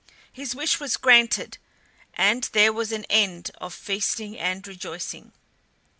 His wish was granted, and there was an end of feasting and rejoicing.